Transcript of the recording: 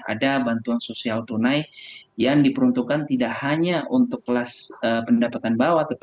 ada bantuan sosial tunai yang diperuntukkan tidak hanya untuk kelas pendapatan bawah